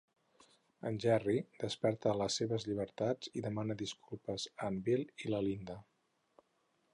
En Jerry desperta a les seves llibertats i demana disculpes a en Bill i la Linda.